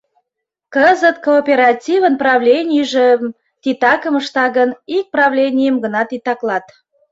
Кызыт кооперативын правленийже титакым ышта гын, ик правленийым гына титаклат.